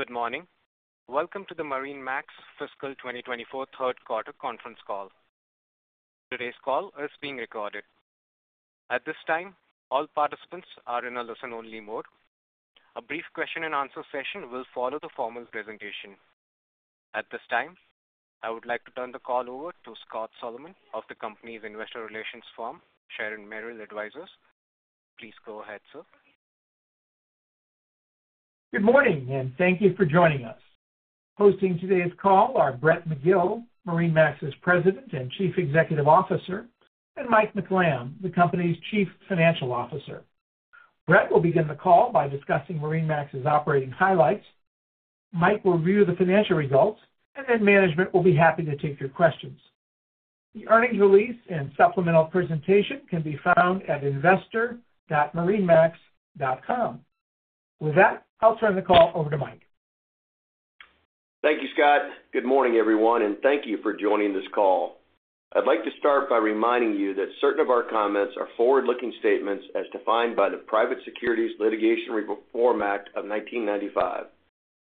Good morning. Welcome to the MarineMax Fiscal 2024 Third Quarter Conference Call. Today's call is being recorded. At this time, all participants are in a listen-only mode. A brief question-and-answer session will follow the formal presentation. At this time, I would like to turn the call over to Scott Solomon of the company's investor relations firm, Sharon Merrill Advisors. Please go ahead, sir. Good morning, and thank you for joining us. Hosting today's call are Brett McGill, MarineMax's President and Chief Executive Officer, and Mike McLamb, the company's Chief Financial Officer. Brett will begin the call by discussing MarineMax's operating highlights. Mike will review the financial results, and then management will be happy to take your questions. The earnings release and supplemental presentation can be found at investor.marinemax.com. With that, I'll turn the call over to Mike. Thank you, Scott. Good morning, everyone, and thank you for joining this call. I'd like to start by reminding you that certain of our comments are forward-looking statements as defined by the Private Securities Litigation Reform Act of 1995.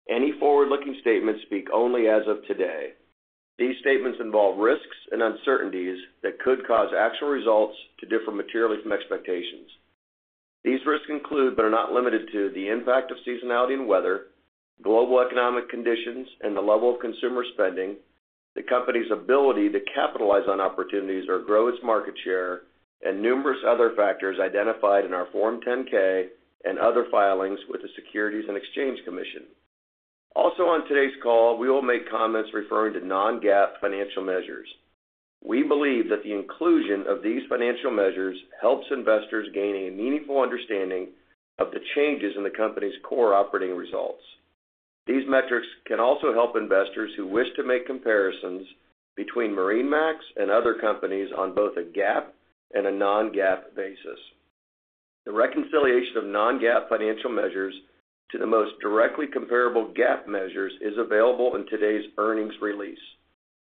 Any forward-looking statements speak only as of today. These statements involve risks and uncertainties that could cause actual results to differ materially from expectations. These risks include, but are not limited to, the impact of seasonality and weather, global economic conditions, and the level of consumer spending, the company's ability to capitalize on opportunities or grow its market share, and numerous other factors identified in our Form 10-K and other filings with the Securities and Exchange Commission. Also, on today's call, we will make comments referring to non-GAAP financial measures. We believe that the inclusion of these financial measures helps investors gain a meaningful understanding of the changes in the company's core operating results. These metrics can also help investors who wish to make comparisons between MarineMax and other companies on both a GAAP and a non-GAAP basis. The reconciliation of non-GAAP financial measures to the most directly comparable GAAP measures is available in today's earnings release.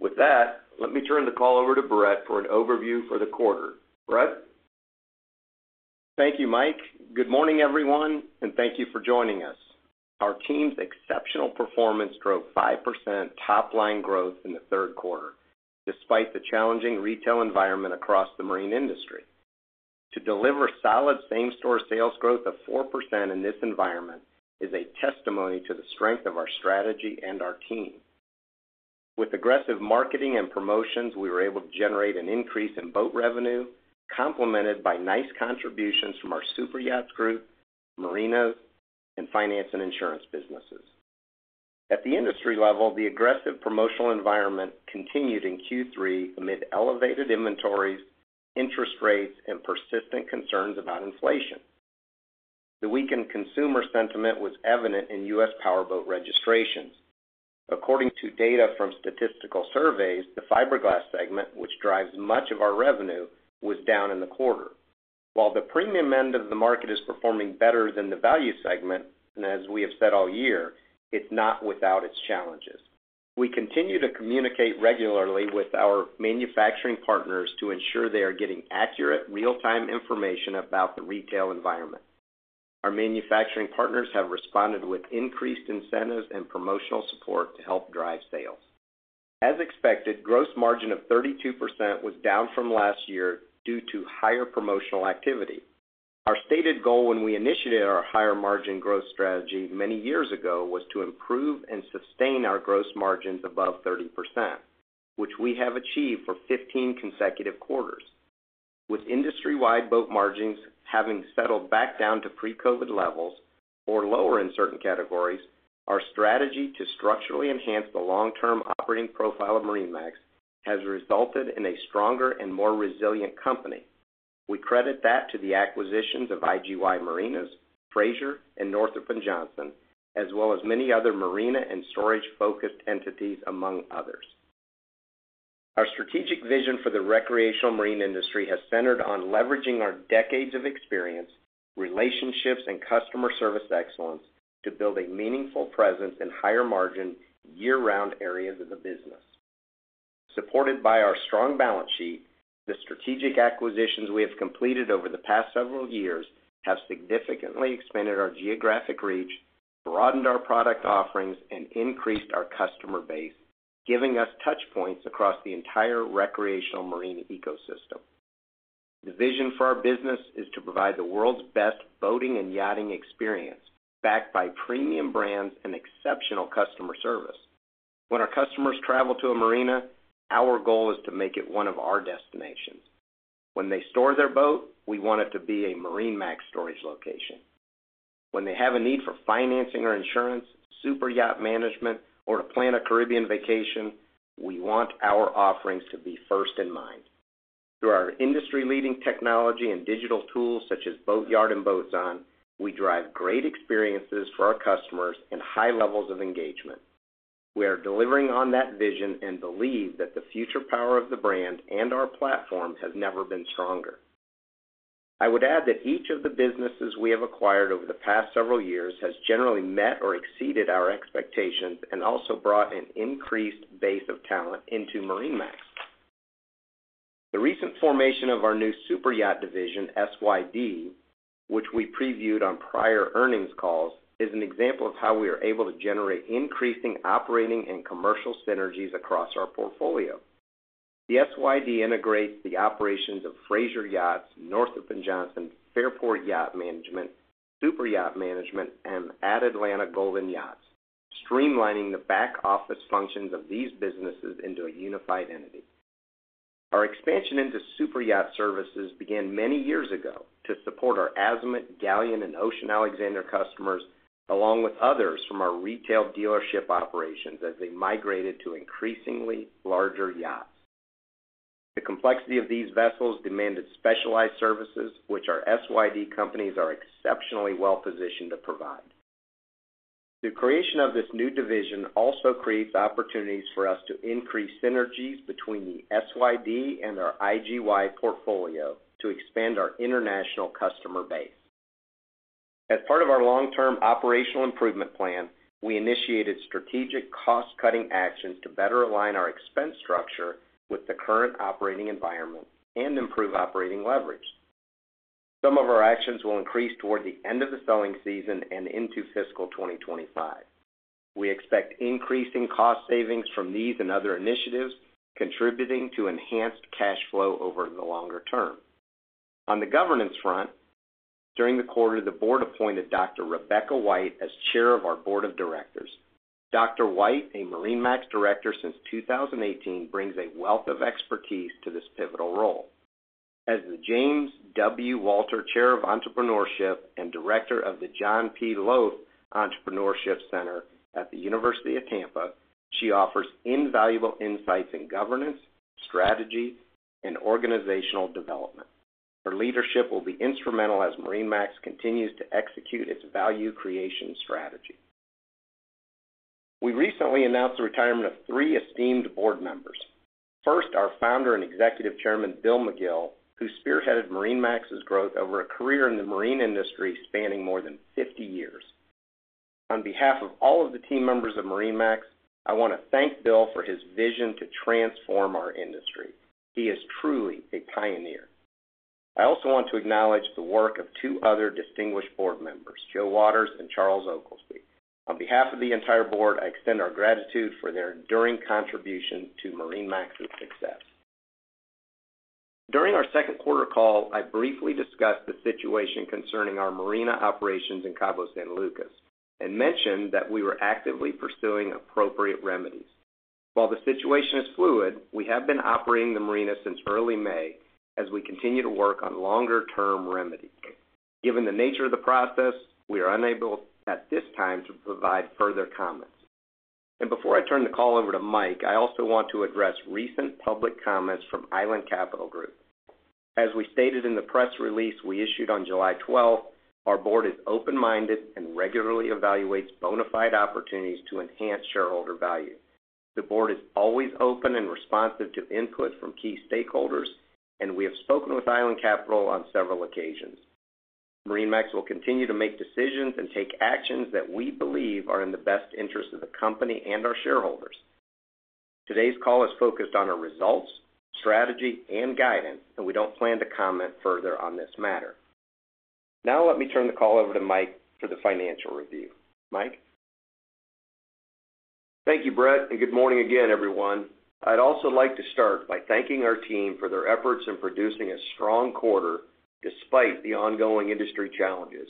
With that, let me turn the call over to Brett for an overview for the quarter. Brett. Thank you, Mike. Good morning, everyone, and thank you for joining us. Our team's exceptional performance drove 5% top-line growth in the third quarter, despite the challenging retail environment across the marine industry. To deliver solid same-store sales growth of 4% in this environment is a testimony to the strength of our strategy and our team. With aggressive marketing and promotions, we were able to generate an increase in boat revenue, complemented by nice contributions from our superyachts group, marinas, and finance and insurance businesses. At the industry level, the aggressive promotional environment continued in Q3 amid elevated inventories, interest rates, and persistent concerns about inflation. The weakened consumer sentiment was evident in U.S. powerboat registrations. According to data from Statistical Surveys, the fiberglass segment, which drives much of our revenue, was down in the quarter. While the premium end of the market is performing better than the value segment, and as we have said all year, it's not without its challenges. We continue to communicate regularly with our manufacturing partners to ensure they are getting accurate, real-time information about the retail environment. Our manufacturing partners have responded with increased incentives and promotional support to help drive sales. As expected, gross margin of 32% was down from last year due to higher promotional activity. Our stated goal when we initiated our higher margin growth strategy many years ago was to improve and sustain our gross margins above 30%, which we have achieved for 15 consecutive quarters. With industry-wide boat margins having settled back down to pre-COVID levels, or lower in certain categories, our strategy to structurally enhance the long-term operating profile of MarineMax has resulted in a stronger and more resilient company. We credit that to the acquisitions of IGY Marinas, Fraser, and Northrop & Johnson, as well as many other marina and storage-focused entities, among others. Our strategic vision for the recreational marine industry has centered on leveraging our decades of experience, relationships, and customer service excellence to build a meaningful presence and higher margin year-round areas of the business. Supported by our strong balance sheet, the strategic acquisitions we have completed over the past several years have significantly expanded our geographic reach, broadened our product offerings, and increased our customer base, giving us touchpoints across the entire recreational marine ecosystem. The vision for our business is to provide the world's best boating and yachting experience, backed by premium brands and exceptional customer service. When our customers travel to a marina, our goal is to make it one of our destinations. When they store their boat, we want it to be a MarineMax storage location. When they have a need for financing or insurance, superyacht management, or to plan a Caribbean vacation, we want our offerings to be first in mind. Through our industry-leading technology and digital tools such as Boatyard and Boatzon, we drive great experiences for our customers and high levels of engagement. We are delivering on that vision and believe that the future power of the brand and our platform has never been stronger. I would add that each of the businesses we have acquired over the past several years has generally met or exceeded our expectations and also brought an increased base of talent into MarineMax. The recent formation of our new Superyacht Division, SYD, which we previewed on prior earnings calls, is an example of how we are able to generate increasing operating and commercial synergies across our portfolio. The SYD integrates the operations of Fraser Yachts, Northrop & Johnson, Fairport Yacht Management, Superyacht Management, and Atalanta Golden Yachts, streamlining the back-office functions of these businesses into a unified entity. Our expansion into superyacht services began many years ago to support our Azimut, Galeon, and Ocean Alexander customers, along with others from our retail dealership operations as they migrated to increasingly larger yachts. The complexity of these vessels demanded specialized services, which our SYD companies are exceptionally well-positioned to provide. The creation of this new division also creates opportunities for us to increase synergies between the SYD and our IGY portfolio to expand our international customer base. As part of our long-term operational improvement plan, we initiated strategic cost-cutting actions to better align our expense structure with the current operating environment and improve operating leverage. Some of our actions will increase toward the end of the selling season and into fiscal 2025. We expect increasing cost savings from these and other initiatives, contributing to enhanced cash flow over the longer term. On the governance front, during the quarter, the board appointed Dr. Rebecca White as chair of our board of directors. Dr. White, a MarineMax director since 2018, brings a wealth of expertise to this pivotal role. As the James W. Walter Chair of Entrepreneurship and Director of the John P. Lowth Entrepreneurship Center at the University of Tampa, she offers invaluable insights in governance, strategy, and organizational development. Her leadership will be instrumental as MarineMax continues to execute its value creation strategy. We recently announced the retirement of three esteemed board members. First, our founder and Executive Chairman, Bill McGill, who spearheaded MarineMax's growth over a career in the marine industry spanning more than 50 years. On behalf of all of the team members of MarineMax, I want to thank Bill for his vision to transform our industry. He is truly a pioneer. I also want to acknowledge the work of two other distinguished board members, Joseph Watters and Charles Oglesby. On behalf of the entire board, I extend our gratitude for their enduring contribution to MarineMax's success. During our second quarter call, I briefly discussed the situation concerning our marina operations in Cabo San Lucas and mentioned that we were actively pursuing appropriate remedies. While the situation is fluid, we have been operating the marina since early May as we continue to work on longer-term remedies. Given the nature of the process, we are unable at this time to provide further comments. Before I turn the call over to Mike, I also want to address recent public comments from Island Capital Group. As we stated in the press release we issued on July 12, our board is open-minded and regularly evaluates bona fide opportunities to enhance shareholder value. The board is always open and responsive to input from key stakeholders, and we have spoken with Island Capital on several occasions. MarineMax will continue to make decisions and take actions that we believe are in the best interest of the company and our shareholders. Today's call is focused on our results, strategy, and guidance, and we don't plan to comment further on this matter. Now, let me turn the call over to Mike for the financial review. Mike. Thank you, Brett, and good morning again, everyone. I'd also like to start by thanking our team for their efforts in producing a strong quarter despite the ongoing industry challenges.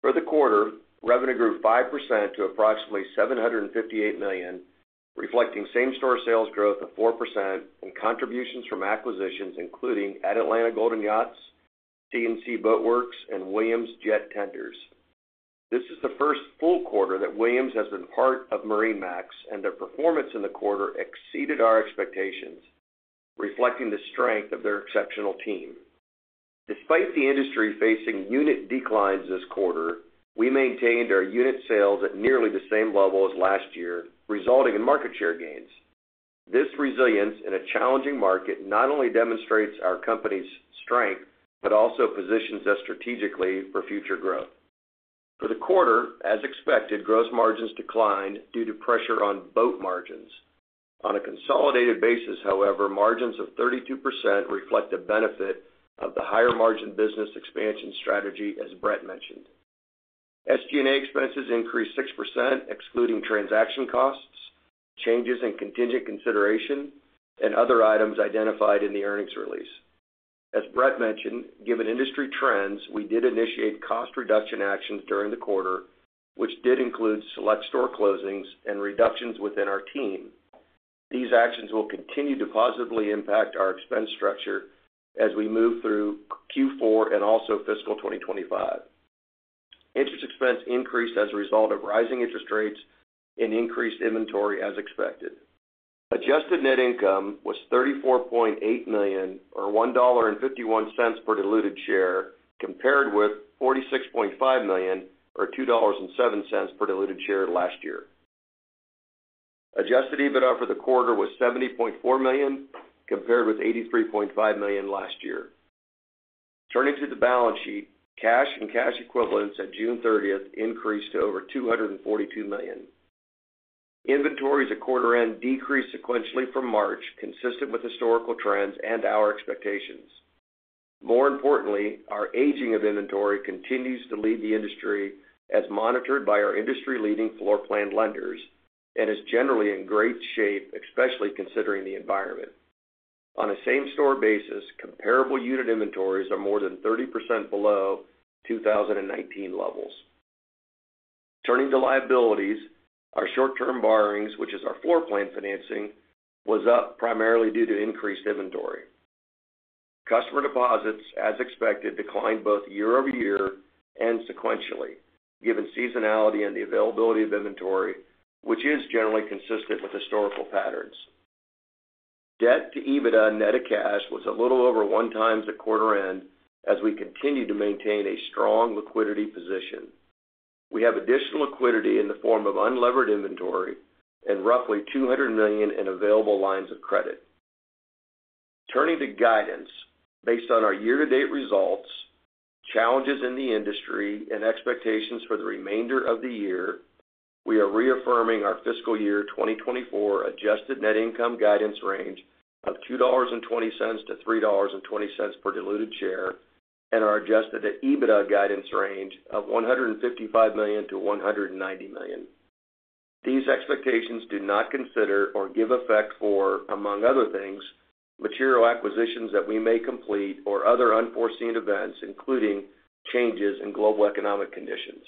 For the quarter, revenue grew 5% to approximately $758 million, reflecting same-store sales growth of 4% and contributions from acquisitions including Atalanta Golden Yachts, C&C Boat Works, and Williams Jet Tenders. This is the first full quarter that Williams has been part of MarineMax, and their performance in the quarter exceeded our expectations, reflecting the strength of their exceptional team. Despite the industry facing unit declines this quarter, we maintained our unit sales at nearly the same level as last year, resulting in market share gains. This resilience in a challenging market not only demonstrates our company's strength but also positions us strategically for future growth. For the quarter, as expected, gross margins declined due to pressure on boat margins. On a consolidated basis, however, margins of 32% reflect the benefit of the higher-margin business expansion strategy, as Brett mentioned. SG&A expenses increased 6%, excluding transaction costs, changes in contingent consideration, and other items identified in the earnings release. As Brett mentioned, given industry trends, we did initiate cost reduction actions during the quarter, which did include select store closings and reductions within our team. These actions will continue to positively impact our expense structure as we move through Q4 and also fiscal 2025. Interest expense increased as a result of rising interest rates and increased inventory, as expected. Adjusted net income was $34.8 million, or $1.51 per diluted share, compared with $46.5 million, or $2.07 per diluted share, last year. Adjusted EBITDA for the quarter was $70.4 million, compared with $83.5 million last year. Turning to the balance sheet, cash and cash equivalents at June 30 increased to over $242 million. Inventories at quarter-end decreased sequentially from March, consistent with historical trends and our expectations. More importantly, our aging of inventory continues to lead the industry as monitored by our industry-leading floor plan lenders and is generally in great shape, especially considering the environment. On a same-store basis, comparable unit inventories are more than 30% below 2019 levels. Turning to liabilities, our short-term borrowings, which is our floor plan financing, was up primarily due to increased inventory. Customer deposits, as expected, declined both year-over-year and sequentially, given seasonality and the availability of inventory, which is generally consistent with historical patterns. Debt to EBITDA net to cash was a little over 1x at quarter-end as we continue to maintain a strong liquidity position. We have additional liquidity in the form of unlevered inventory and roughly $200 million in available lines of credit. Turning to guidance, based on our year-to-date results, challenges in the industry, and expectations for the remainder of the year, we are reaffirming our fiscal year 2024 adjusted net income guidance range of $2.20-$3.20 per diluted share and our adjusted EBITDA guidance range of $155 million-$190 million. These expectations do not consider or give effect for, among other things, material acquisitions that we may complete or other unforeseen events, including changes in global economic conditions.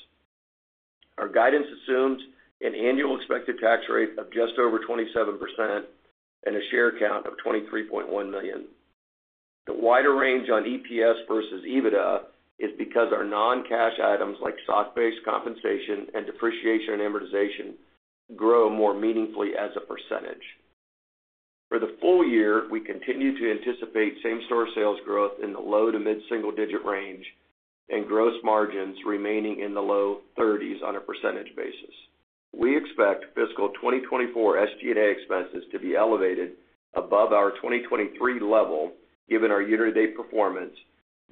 Our guidance assumes an annual expected tax rate of just over 27% and a share count of 23.1 million. The wider range on EPS versus EBITDA is because our non-cash items like stock-based compensation and depreciation and amortization grow more meaningfully as a percentage. For the full year, we continue to anticipate same-store sales growth in the low to mid-single-digit range and gross margins remaining in the low 30s on a percentage basis. We expect fiscal 2024 SG&A expenses to be elevated above our 2023 level, given our year-to-date performance,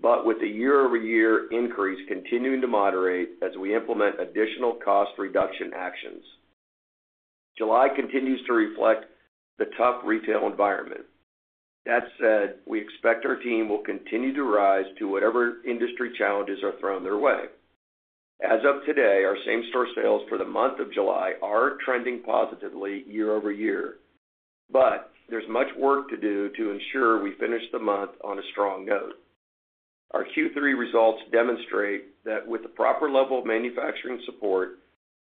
but with the year-over-year increase continuing to moderate as we implement additional cost reduction actions. July continues to reflect the tough retail environment. That said, we expect our team will continue to rise to whatever industry challenges are thrown their way. As of today, our same-store sales for the month of July are trending positively year-over-year, but there's much work to do to ensure we finish the month on a strong note. Our Q3 results demonstrate that with the proper level of manufacturing support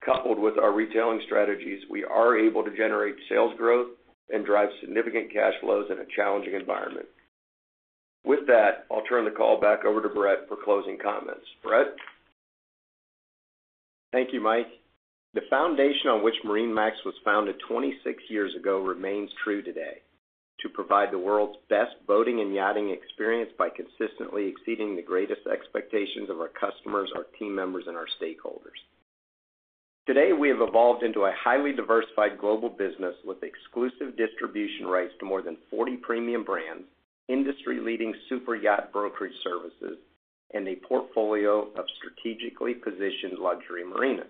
coupled with our retailing strategies, we are able to generate sales growth and drive significant cash flows in a challenging environment. With that, I'll turn the call back over to Brett for closing comments. Brett? Thank you, Mike. The foundation on which MarineMax was founded 26 years ago remains true today: to provide the world's best boating and yachting experience by consistently exceeding the greatest expectations of our customers, our team members, and our stakeholders. Today, we have evolved into a highly diversified global business with exclusive distribution rights to more than 40 premium brands, industry-leading superyacht brokerage services, and a portfolio of strategically positioned luxury marinas.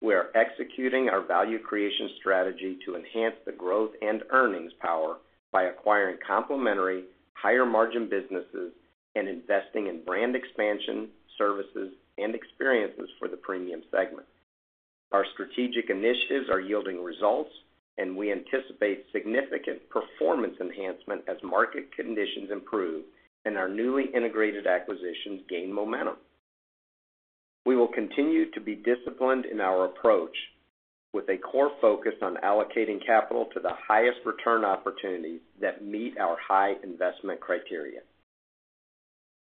We are executing our value creation strategy to enhance the growth and earnings power by acquiring complementary, higher-margin businesses and investing in brand expansion, services, and experiences for the premium segment. Our strategic initiatives are yielding results, and we anticipate significant performance enhancement as market conditions improve and our newly integrated acquisitions gain momentum. We will continue to be disciplined in our approach, with a core focus on allocating capital to the highest return opportunities that meet our high investment criteria.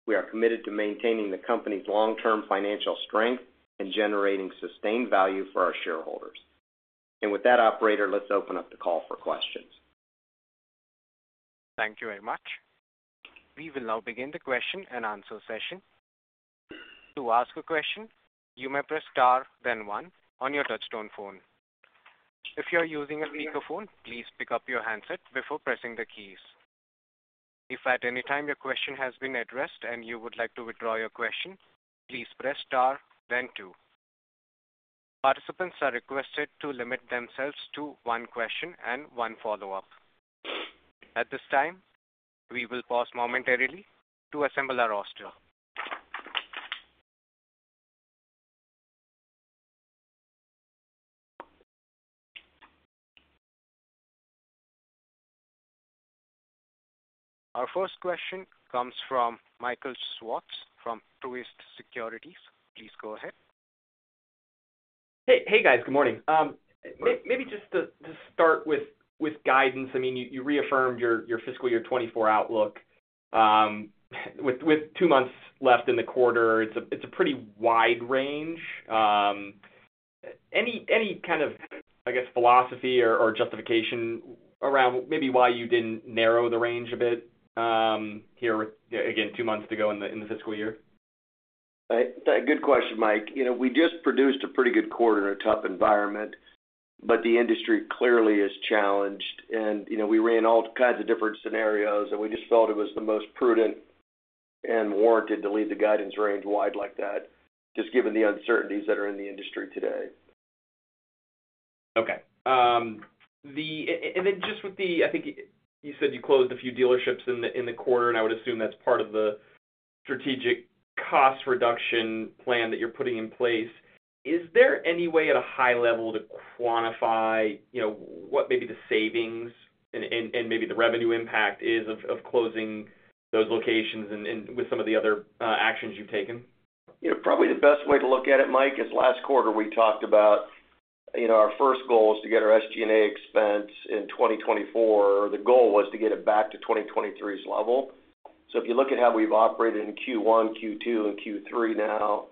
We are committed to maintaining the company's long-term financial strength and generating sustained value for our shareholders. With that, operator, let's open up the call for questions. Thank you very much. We will now begin the question and answer session. To ask a question, you may press star, then one, on your touch-tone phone. If you are using a speakerphone, please pick up your handset before pressing the keys. If at any time your question has been addressed and you would like to withdraw your question, please press star, then two. Participants are requested to limit themselves to one question and one follow-up. At this time, we will pause momentarily to assemble our roster. Our first question comes from Michael Swartz from Truist Securities. Please go ahead. Hey, guys. Good morning. Maybe just to start with guidance, I mean, you reaffirmed your fiscal year 2024 outlook. With two months left in the quarter, it's a pretty wide range. Any kind of, I guess, philosophy or justification around maybe why you didn't narrow the range a bit here, again, two months to go in the fiscal year? Good question, Mike. We just produced a pretty good quarter in a tough environment, but the industry clearly is challenged. And we ran all kinds of different scenarios, and we just felt it was the most prudent and warranted to leave the guidance range wide like that, just given the uncertainties that are in the industry today. Okay. And then just with the, I think you said you closed a few dealerships in the quarter, and I would assume that's part of the strategic cost reduction plan that you're putting in place. Is there any way at a high level to quantify what maybe the savings and maybe the revenue impact is of closing those locations and with some of the other actions you've taken? Probably the best way to look at it, Mike, is last quarter we talked about our first goal was to get our SG&A expense in 2024. The goal was to get it back to 2023's level. So if you look at how we've operated in Q1, Q2, and Q3 now,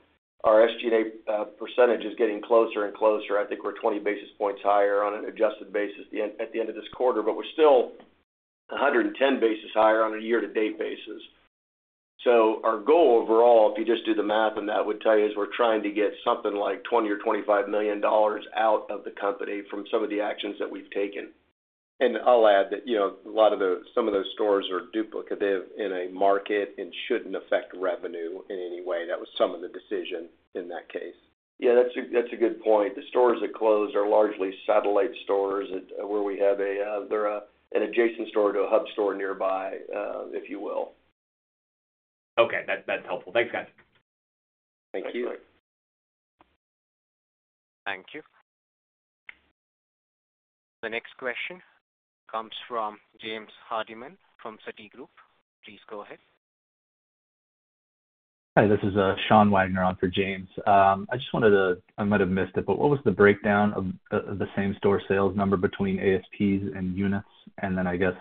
our SG&A percentage is getting closer and closer. I think we're 20 basis points higher on an adjusted basis at the end of this quarter, but we're still 110 basis points higher on a year-to-date basis. So our goal overall, if you just do the math on that, would tell you is we're trying to get something like $20 or $25 million out of the company from some of the actions that we've taken. And I'll add that a lot of those stores are duplicative in a market and shouldn't affect revenue in any way. That was some of the decision in that case. Yeah, that's a good point. The stores that closed are largely satellite stores where we have an adjacent store to a hub store nearby, if you will. Okay. That's helpful. Thanks, guys. Thank you. Thanks, Mike. Thank you. The next question comes from James Hardiman from Citigroup. Please go ahead. Hi, this is Sean Wagner on for James. I just wanted to, I might have missed it, but what was the breakdown of the same-store sales number between ASPs and units? And then I guess,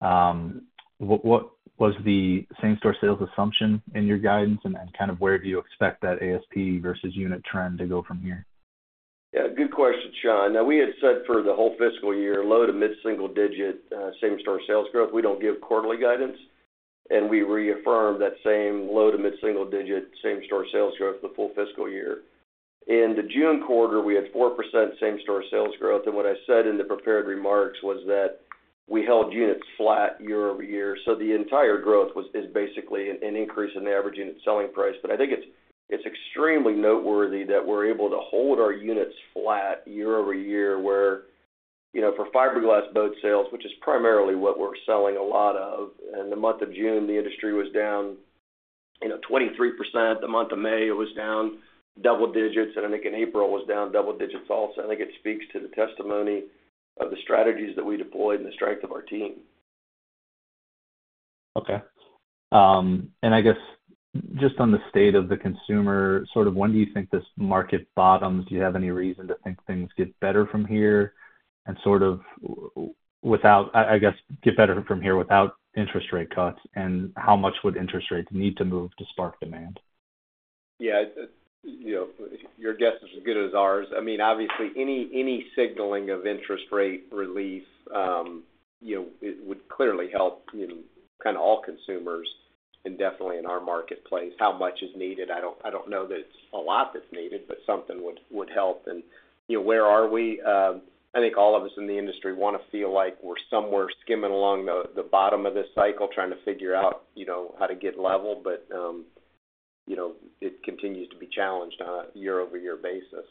what was the same-store sales assumption in your guidance, and kind of where do you expect that ASP versus unit trend to go from here? Yeah, good question, Sean. Now, we had said for the whole fiscal year, low to mid-single-digit same-store sales growth. We don't give quarterly guidance. And we reaffirmed that same low to mid-single-digit same-store sales growth the full fiscal year. In the June quarter, we had 4% same-store sales growth. And what I said in the prepared remarks was that we held units flat year-over-year. So the entire growth is basically an increase in the average unit selling price. But I think it's extremely noteworthy that we're able to hold our units flat year-over-year, where for fiberglass boat sales, which is primarily what we're selling a lot of, in the month of June, the industry was down 23%. The month of May, it was down double digits. And I think in April, it was down double digits also. I think it speaks to the testimony of the strategies that we deployed and the strength of our team. Okay. I guess just on the state of the consumer, sort of when do you think this market bottoms? Do you have any reason to think things get better from here and sort of, I guess, get better from here without interest rate cuts? How much would interest rates need to move to spark demand? Yeah. Your guess is as good as ours. I mean, obviously, any signaling of interest rate relief would clearly help kind of all consumers and definitely in our marketplace. How much is needed? I don't know that it's a lot that's needed, but something would help. Where are we? I think all of us in the industry want to feel like we're somewhere skimming along the bottom of this cycle, trying to figure out how to get level. It continues to be challenged on a year-over-year basis.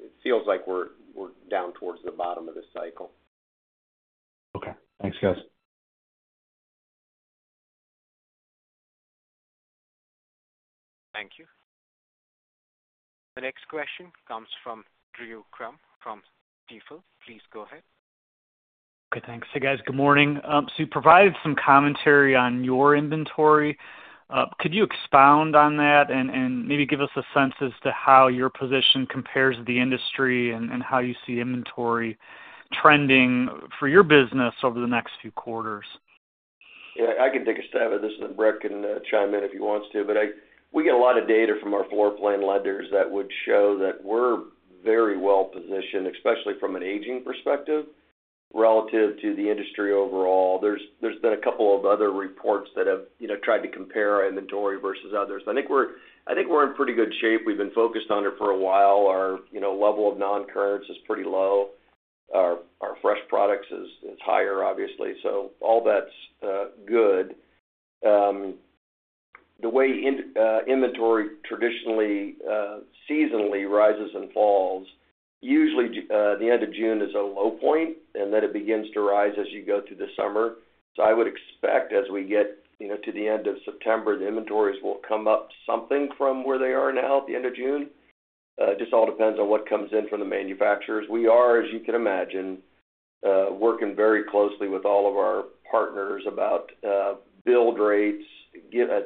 It feels like we're down towards the bottom of the cycle. Okay. Thanks, guys. Thank you. The next question comes from Drew Crum from Stifel. Please go ahead. Okay. Thanks. Hey, guys. Good morning. So you provided some commentary on your inventory. Could you expound on that and maybe give us a sense as to how your position compares to the industry and how you see inventory trending for your business over the next few quarters? Yeah. I can take a stab at this, and Brett can chime in if he wants to. But we get a lot of data from our floor plan lenders that would show that we're very well-positioned, especially from an aging perspective, relative to the industry overall. There's been a couple of other reports that have tried to compare our inventory versus others. I think we're in pretty good shape. We've been focused on it for a while. Our level of non-currents is pretty low. Our fresh products is higher, obviously. So all that's good. The way inventory traditionally seasonally rises and falls, usually the end of June is a low point, and then it begins to rise as you go through the summer. So I would expect as we get to the end of September, the inventories will come up something from where they are now at the end of June. It just all depends on what comes in from the manufacturers. We are, as you can imagine, working very closely with all of our partners about build rates.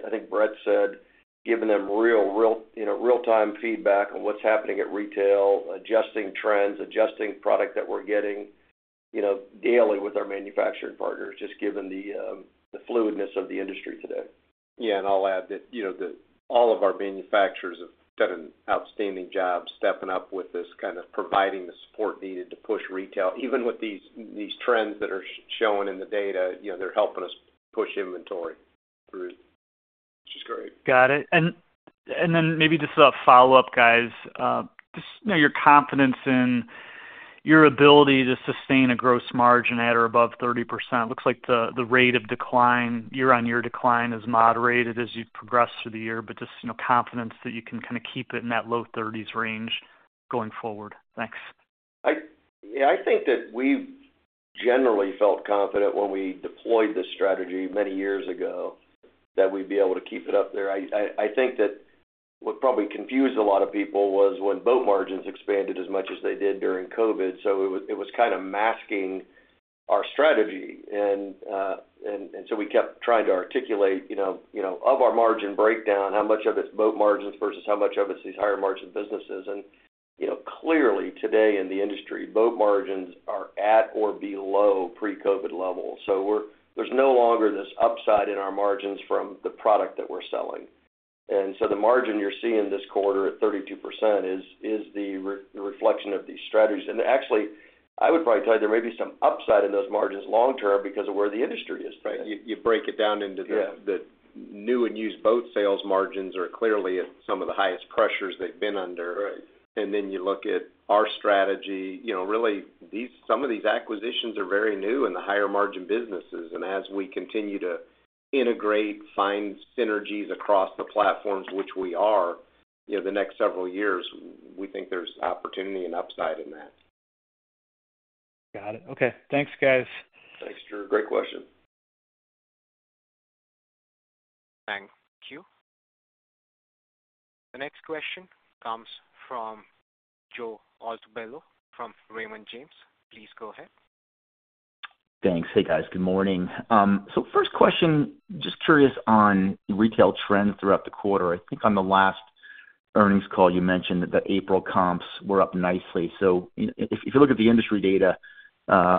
I think Brett said giving them real-time feedback on what's happening at retail, adjusting trends, adjusting product that we're getting daily with our manufacturing partners, just given the fluidness of the industry today. Yeah. And I'll add that all of our manufacturers have done an outstanding job stepping up with this kind of providing the support needed to push retail. Even with these trends that are showing in the data, they're helping us push inventory through. Which is great. Got it. Then maybe just a follow-up, guys. Just your confidence in your ability to sustain a gross margin at or above 30%. Looks like the rate of year-over-year decline is moderated as you progress through the year, but just confidence that you can kind of keep it in that low 30s range going forward. Thanks. Yeah. I think that we generally felt confident when we deployed this strategy many years ago that we'd be able to keep it up there. I think that what probably confused a lot of people was when boat margins expanded as much as they did during COVID. So it was kind of masking our strategy. And so we kept trying to articulate, of our margin breakdown, how much of it's boat margins versus how much of it's these higher-margin businesses. And clearly, today in the industry, boat margins are at or below pre-COVID levels. So there's no longer this upside in our margins from the product that we're selling. And so the margin you're seeing this quarter at 32% is the reflection of these strategies. And actually, I would probably tell you there may be some upside in those margins long-term because of where the industry is today. You break it down into the new and used boat sales. Margins are clearly some of the highest pressures they've been under. Then you look at our strategy. Really, some of these acquisitions are very new in the higher-margin businesses. As we continue to integrate, find synergies across the platforms, which we are, the next several years, we think there's opportunity and upside in that. Got it. Okay. Thanks, guys. Thanks, Drew. Great question. Thank you. The next question comes from Joe Altobello from Raymond James. Please go ahead. Thanks. Hey, guys. Good morning. First question, just curious on retail trends throughout the quarter. I think on the last earnings call, you mentioned that April comps were up nicely. If you look at the industry data,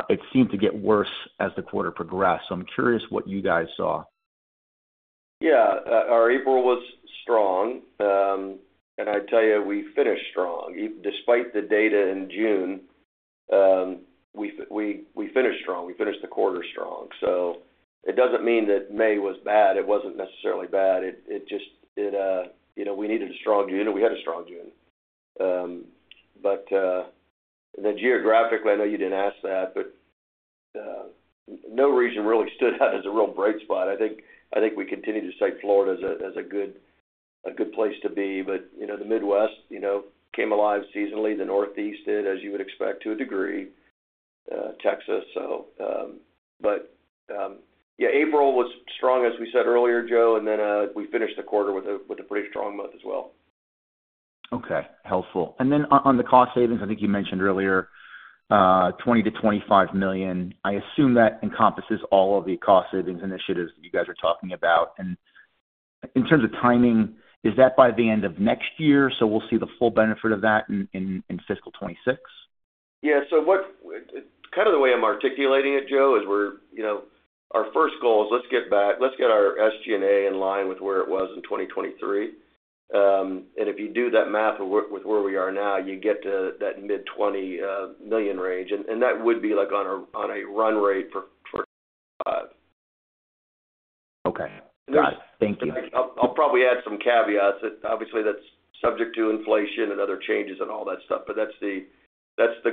it seemed to get worse as the quarter progressed. I'm curious what you guys saw. Yeah. Our April was strong. I'd tell you we finished strong. Despite the data in June, we finished strong. We finished the quarter strong. It doesn't mean that May was bad. It wasn't necessarily bad. It just we needed a strong June, and we had a strong June. Geographically, I know you didn't ask that, but no region really stood out as a real bright spot. I think we continue to cite Florida as a good place to be. The Midwest came alive seasonally. The Northeast did, as you would expect to a degree. Texas, so. Yeah, April was strong, as we said earlier, Joe. Then we finished the quarter with a pretty strong month as well. Okay. Helpful. Then on the cost savings, I think you mentioned earlier, $20 million-$25 million. I assume that encompasses all of the cost savings initiatives that you guys are talking about. In terms of timing, is that by the end of next year? So we'll see the full benefit of that in fiscal 2026? Yeah. So kind of the way I'm articulating it, Joe, is our first goal is let's get our SG&A in line with where it was in 2023. If you do that math with where we are now, you get to that mid-$20 million range. That would be on a run rate for. Okay. Got it. Thank you. I'll probably add some caveats. Obviously, that's subject to inflation and other changes and all that stuff. But that's the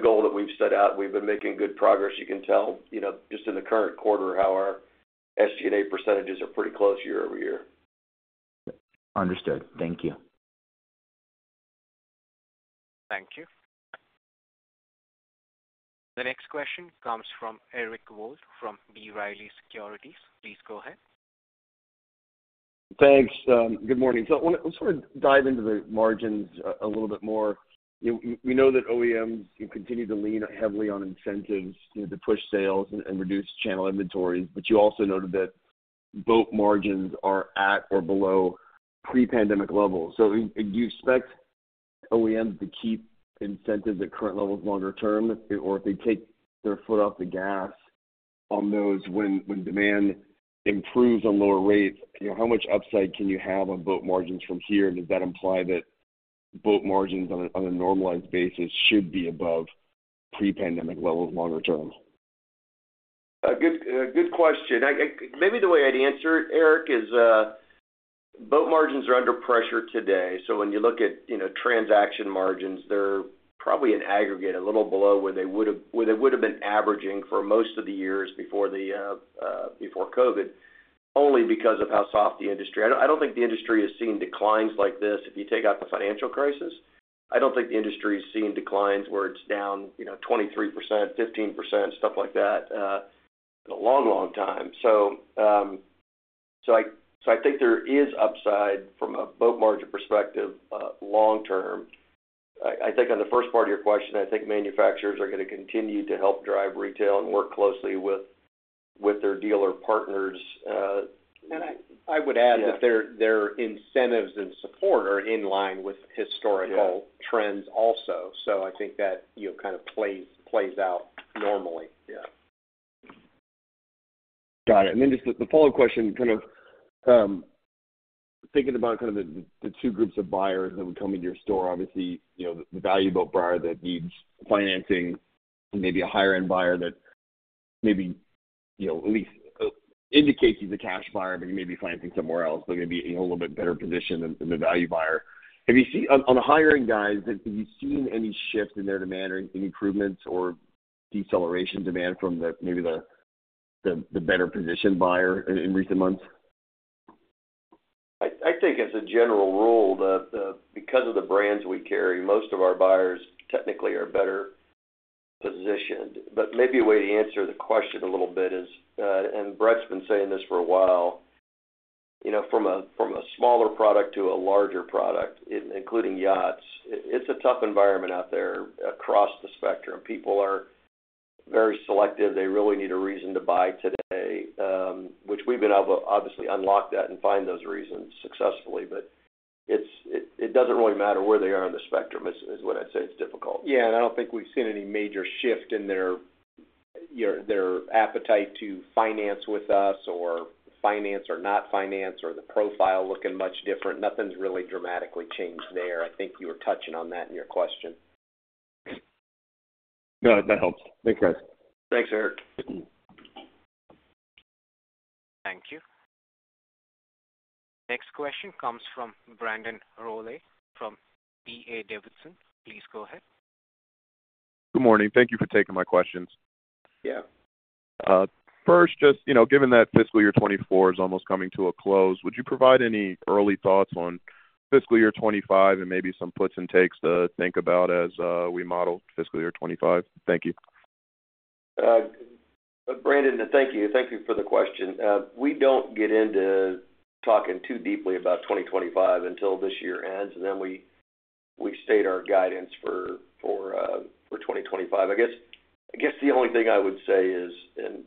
goal that we've set out. We've been making good progress. You can tell just in the current quarter how our SG&A percentages are pretty close year-over-year. Understood. Thank you. Thank you. The next question comes from Eric Wold from B. Riley Securities. Please go ahead. Thanks. Good morning. So I just want to dive into the margins a little bit more. We know that OEMs continue to lean heavily on incentives to push sales and reduce channel inventories. But you also noted that boat margins are at or below pre-pandemic levels. So do you expect OEMs to keep incentives at current levels longer term? Or if they take their foot off the gas on those when demand improves on lower rates, how much upside can you have on boat margins from here? And does that imply that boat margins on a normalized basis should be above pre-pandemic levels longer term? Good question. Maybe the way I'd answer it, Eric, is boat margins are under pressure today. So when you look at transaction margins, they're probably in aggregate a little below where they would have been averaging for most of the years before COVID, only because of how soft the industry is. I don't think the industry has seen declines like this. If you take out the financial crisis, I don't think the industry has seen declines where it's down 23%, 15%, stuff like that in a long, long time. So I think there is upside from a boat margin perspective long-term. I think on the first part of your question, I think manufacturers are going to continue to help drive retail and work closely with their dealer partners. And I would add that their incentives and support are in line with historical trends also. So I think that kind of plays out normally. Yeah. Got it. Then just the follow-up question, kind of thinking about kind of the two groups of buyers that would come into your store. Obviously, the value buyer that needs financing and maybe a higher-end buyer that maybe at least indicates he's a cash buyer, but he may be financing somewhere else, but maybe in a little bit better position than the value buyer. On the higher-end guys, have you seen any shift in their demand or any improvements or deceleration demand from maybe the better-positioned buyer in recent months? I think as a general rule, because of the brands we carry, most of our buyers technically are better positioned. But maybe a way to answer the question a little bit is, and Brett's been saying this for a while, from a smaller product to a larger product, including yachts, it's a tough environment out there across the spectrum. People are very selective. They really need a reason to buy today, which we've been able to obviously unlock that and find those reasons successfully. But it doesn't really matter where they are on the spectrum is what I'd say is difficult. Yeah. And I don't think we've seen any major shift in their appetite to finance with us or finance or not finance or the profile looking much different. Nothing's really dramatically changed there. I think you were touching on that in your question. No, that helps. Thanks, guys. Thanks, Eric. Thank you. Next question comes from Brandon Rollé from D.A. Davidson. Please go ahead. Good morning. Thank you for taking my questions. Yeah. First, just given that fiscal year 2024 is almost coming to a close, would you provide any early thoughts on fiscal year 2025 and maybe some puts and takes to think about as we model fiscal year 2025? Thank you. Brandon, thank you. Thank you for the question. We don't get into talking too deeply about 2025 until this year ends. And then we state our guidance for 2025. I guess the only thing I would say is, and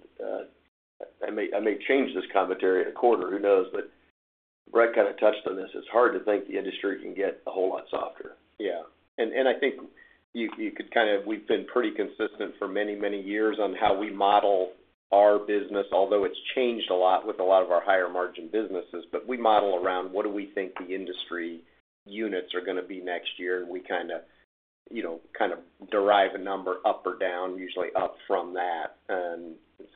I may change this commentary in a quarter, who knows? But Brett kind of touched on this. It's hard to think the industry can get a whole lot softer. Yeah. And I think you could kind of we've been pretty consistent for many, many years on how we model our business, although it's changed a lot with a lot of our higher-margin businesses. But we model around what do we think the industry units are going to be next year. And we kind of derive a number up or down, usually up from that.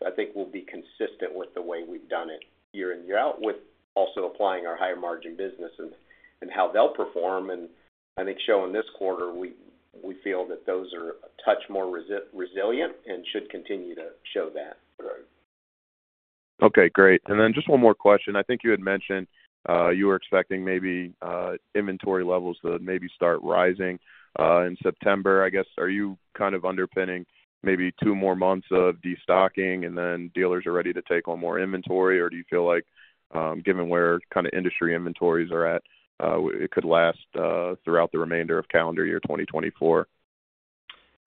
I think we'll be consistent with the way we've done it year in, year out, with also applying our higher-margin business and how they'll perform. I think showing this quarter, we feel that those are a touch more resilient and should continue to show that. Okay. Great. And then just one more question. I think you had mentioned you were expecting maybe inventory levels to maybe start rising in September. I guess, are you kind of underpinning maybe two more months of destocking and then dealers are ready to take on more inventory? Or do you feel like, given where kind of industry inventories are at, it could last throughout the remainder of calendar year 2024?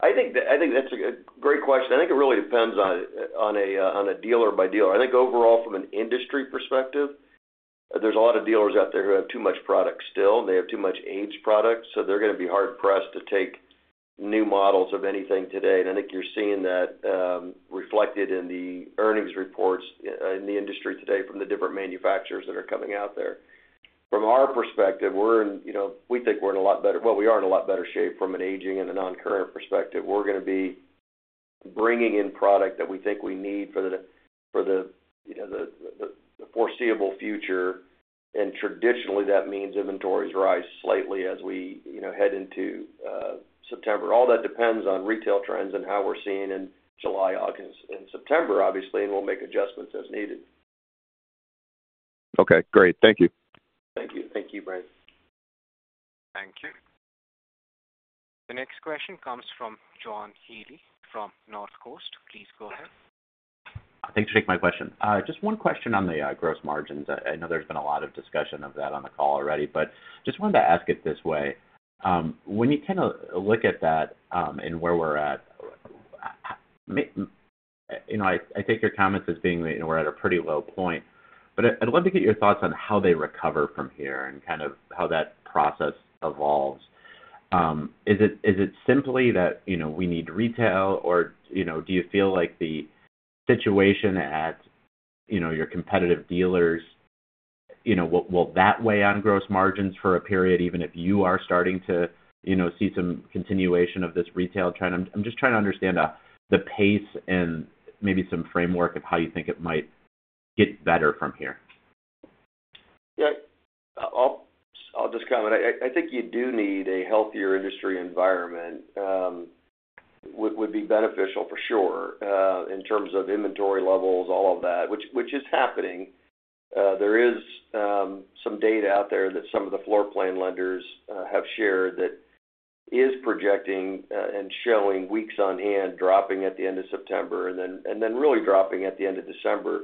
I think that's a great question. I think it really depends on a dealer by dealer. I think overall, from an industry perspective, there's a lot of dealers out there who have too much product still. They have too much aged product. So they're going to be hard-pressed to take new models of anything today. And I think you're seeing that reflected in the earnings reports in the industry today from the different manufacturers that are coming out there. From our perspective, we think we're in a lot better well, we are in a lot better shape from an aging and a non-current perspective. We're going to be bringing in product that we think we need for the foreseeable future. And traditionally, that means inventories rise slightly as we head into September. All that depends on retail trends and how we're seeing in July, August, and September, obviously. We'll make adjustments as needed. Okay. Great. Thank you. Thank you. Thank you, Brandon. Thank you. The next question comes from John Healy from Northcoast Research. Please go ahead. Thanks for taking my question. Just one question on the gross margins. I know there's been a lot of discussion of that on the call already. But just wanted to ask it this way. When you kind of look at that and where we're at, I take your comments as being we're at a pretty low point. But I'd love to get your thoughts on how they recover from here and kind of how that process evolves. Is it simply that we need retail? Or do you feel like the situation at your competitive dealers will that weigh on gross margins for a period, even if you are starting to see some continuation of this retail trend? I'm just trying to understand the pace and maybe some framework of how you think it might get better from here. Yeah. I'll just comment. I think you do need a healthier industry environment. It would be beneficial for sure in terms of inventory levels, all of that, which is happening. There is some data out there that some of the floor plan lenders have shared that is projecting and showing weeks on end, dropping at the end of September, and then really dropping at the end of December.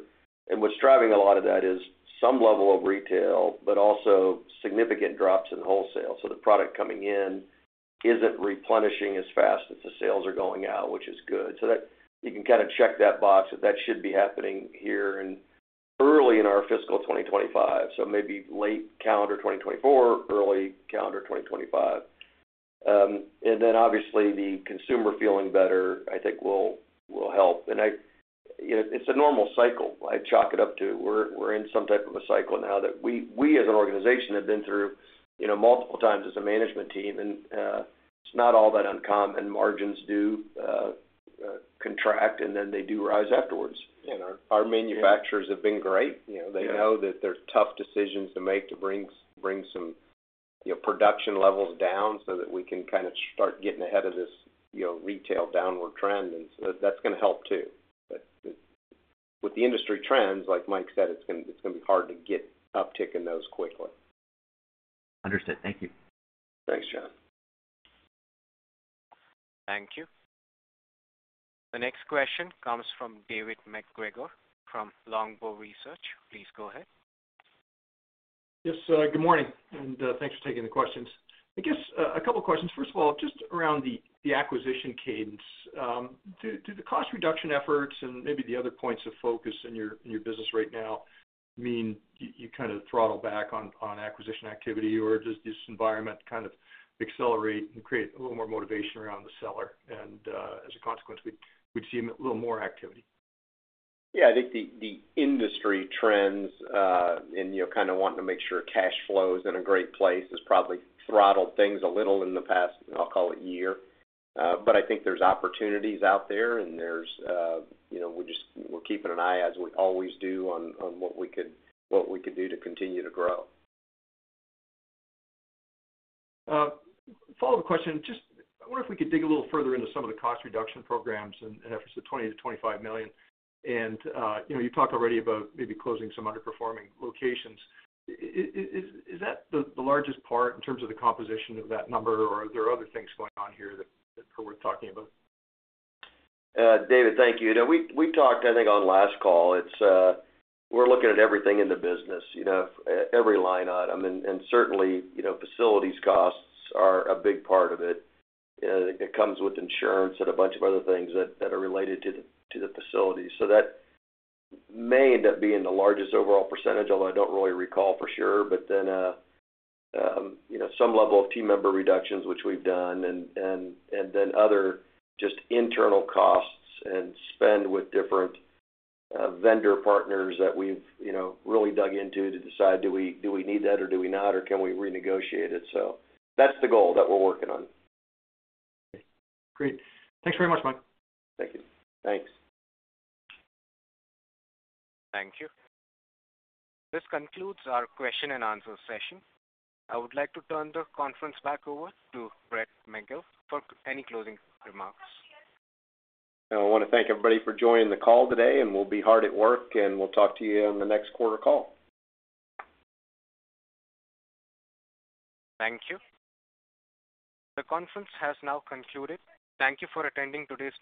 And what's driving a lot of that is some level of retail, but also significant drops in wholesale. So the product coming in isn't replenishing as fast as the sales are going out, which is good. So you can kind of check that box that that should be happening here and early in our fiscal 2025. So maybe late calendar 2024, early calendar 2025. And then obviously, the consumer feeling better, I think, will help. And it's a normal cycle. I chalk it up to we're in some type of a cycle now that we, as an organization, have been through multiple times as a management team. It's not all that uncommon. Margins do contract, and then they do rise afterwards. Our manufacturers have been great. They know that there are tough decisions to make to bring some production levels down so that we can kind of start getting ahead of this retail downward trend. That's going to help too. But with the industry trends, like Mike said, it's going to be hard to get uptick in those quickly. Understood. Thank you. Thanks, John. Thank you. The next question comes from David MacGregor from Longbow Research. Please go ahead. Yes. Good morning. Thanks for taking the questions. I guess a couple of questions. First of all, just around the acquisition cadence. Do the cost reduction efforts and maybe the other points of focus in your business right now mean you kind of throttle back on acquisition activity? Or does this environment kind of accelerate and create a little more motivation around the seller? And as a consequence, we'd see a little more activity. Yeah. I think the industry trends and kind of wanting to make sure cash flow is in a great place has probably throttled things a little in the past, I'll call it, year. But I think there's opportunities out there. We're keeping an eye, as we always do, on what we could do to continue to grow. Follow-up question. Just I wonder if we could dig a little further into some of the cost reduction programs and efforts of $20 million-$25 million. You talked already about maybe closing some underperforming locations. Is that the largest part in terms of the composition of that number? Or are there other things going on here that are worth talking about? David, thank you. We talked, I think, on last call. We're looking at everything in the business, every line item. And certainly, facilities costs are a big part of it. It comes with insurance and a bunch of other things that are related to the facility. So that may end up being the largest overall percentage, although I don't really recall for sure. But then some level of team member reductions, which we've done, and then other just internal costs and spend with different vendor partners that we've really dug into to decide, do we need that or do we not? Or can we renegotiate it? So that's the goal that we're working on. Okay. Great. Thanks very much, Mike. Thank you. Thanks. Thank you. This concludes our question and answer session. I would like to turn the conference back over to Brett McGill for any closing remarks. I want to thank everybody for joining the call today. We'll be hard at work. We'll talk to you on the next quarter call. Thank you. The conference has now concluded. Thank you for attending today.